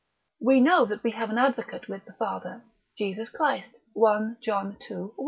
We know that we have an advocate with the Father, Jesus Christ (1 Joh. ii. 1.)